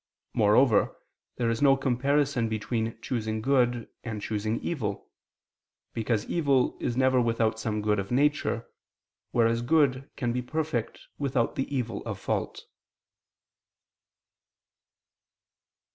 Moreover, there is no comparison between choosing good and choosing evil: because evil is never without some good of nature, whereas good can be perfect without the evil of fault.